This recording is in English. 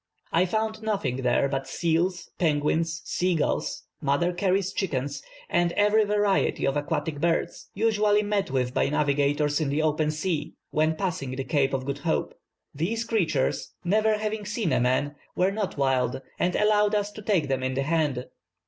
I found nothing there but seals, penguins, sea gulls, Mother Carey's chickens, and every variety of aquatic birds, usually met with by navigators in the open sea, when passing the Cape of Good Hope. These creatures, never having seen a man, were not wild, and allowed us to take them in the hand.